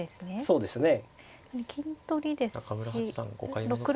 そうですね。